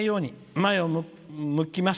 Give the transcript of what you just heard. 前を向きます。